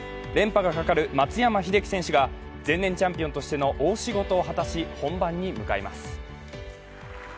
連覇がかかる松山英樹選手が前年チャンピオンとしての大仕事を果たし、本番に向かいます